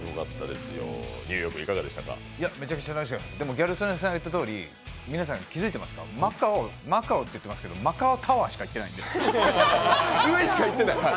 ギャル曽根さん言ったとおり、皆さん気付いてますか、マカオって言ってますけどマカオタワーしか行ってないんで。